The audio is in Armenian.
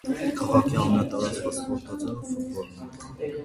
Քաղաքի ամենատարածված սպորտաձևը ֆուտբոլն է։